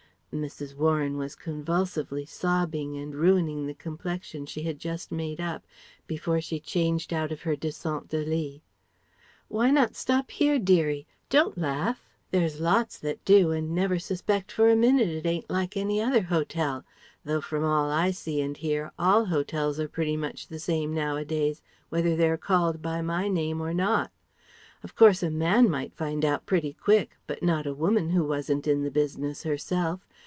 Mrs. Warren was convulsively sobbing and ruining the complexion she had just made up, before she changed out of her descente de lit: "Why not stop here, dearie? Don't laugh! There's lots that do and never suspect for one minute it ain't like any other hotel; though from all I see and hear, all hotels are pretty much the same now a days, whether they're called by my name or not. Of course a man might find out pretty quick, but not a woman who wasn't in the business herself.